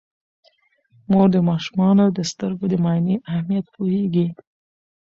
مور د ماشومانو د سترګو د معاینې اهمیت پوهیږي.